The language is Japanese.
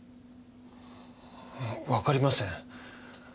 わかりません。